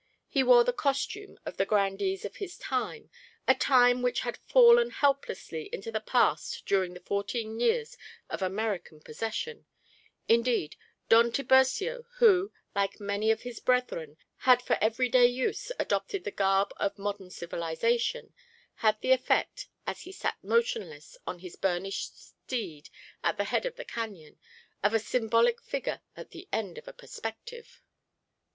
He wore the costume of the grandees of his time, a time which had fallen helplessly into the past during the fourteen years of American possession; indeed, Don Tiburcio, who, like many of his brethren, had for every day use adopted the garb of modern civilisation, had the effect, as he sat motionless on his burnished steed at the head of the cañon, of a symbolic figure at the end of a perspective.